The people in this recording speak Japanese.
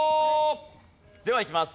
ではいきます。